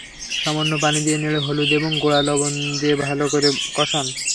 সামান্য পানি দিয়ে নেড়ে হলুদ গুঁড়া এবং লবণ দিয়ে ভালো করে কষান।